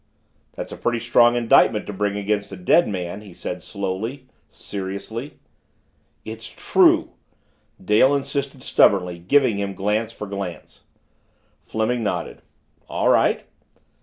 "That's a pretty strong indictment to bring against a dead man," he said slowly, seriously. "It's true!" Dale insisted stubbornly, giving him glance for glance. Fleming nodded. "All right."